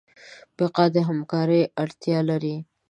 بقا د همکارۍ اړتیا لري.